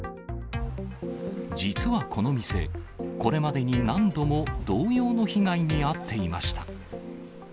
実はこの店、これまでに何度も同様の被害に遭っていました。